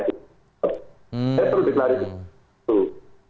saya perlu dikelarin